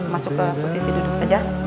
masuk ke posisi duduk saja